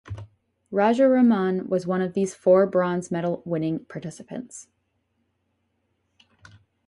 Rajaraman was one of these four bronze medal winning participants.